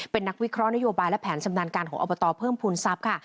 เป็นนักวิเคราะห์นโยบายและแผนชำนาญการของอบตเพิ่มภูมิทรัพย์ค่ะ